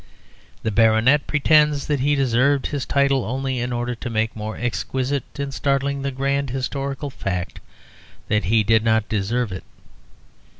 The Baronet pretends that he deserved his title only in order to make more exquisite and startling the grand historical fact that he did not deserve it.